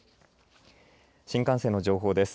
新幹線の情報です。